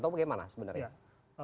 tau bagaimana sebenarnya